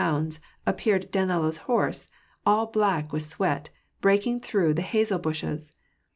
hounds, appeared Danilo's horse, all black with sweak, breaking through the hazel bushes.